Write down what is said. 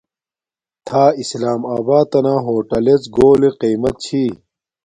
تھا اسلام آباتنا ہوٹالڎ گھولی قیمت چھی